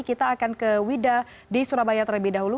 kita akan ke wida di surabaya terlebih dahulu